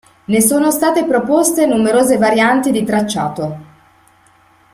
Ne sono state proposte numerose varianti di tracciato.